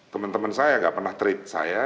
teman teman saya nggak pernah treat saya